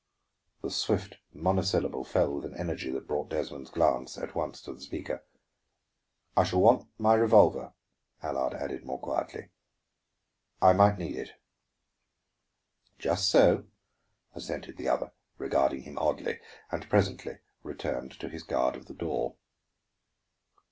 The swift monosyllable fell with an energy that brought Desmond's glance at once to the speaker. "I shall want my revolver," Allard added more quietly. "I might need it." "Just so," assented the other, regarding him oddly, and presently returned to his guard of the door.